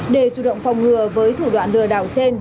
để chủ động phòng ngừa với thủ đoạn lừa đảo trên